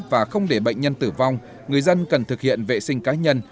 và không để bệnh nhân tử vong người dân cần thực hiện vệ sinh cá nhân